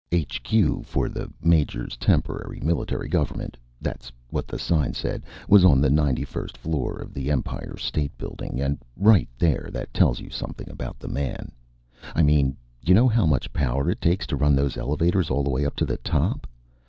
HQ for the Major's Temporary Military Government that's what the sign said was on the 91st floor of the Empire State Building, and right there that tells you something about the man. I mean you know how much power it takes to run those elevators all the way up to the top?